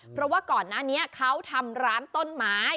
เพราะว่าก่อนหน้านี้เขาทำร้านต้นไม้